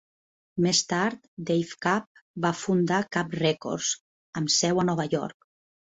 Més tard, Dave Kapp va fundar Kapp Records, amb seu a Nova York.